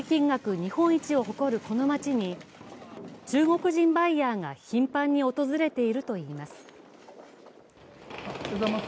日本一を誇るこの町に、中国人バイヤーが頻繁に訪れているといいます。